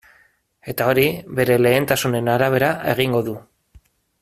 Eta hori bere lehentasunen arabera egingo du.